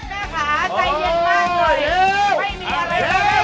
แก่ขาใจเย็นมากหน่อยไม่มีอะไรของนคร